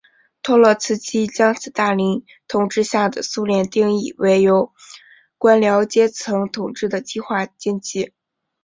托洛茨基将斯大林统治下的苏联定义为由官僚阶层统治的计划经济。